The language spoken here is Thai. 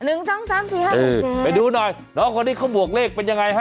ไปดูหน่อยน้องคนนี้เขาบวกเลขเป็นยังไงฮะ